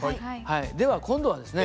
では今度はですね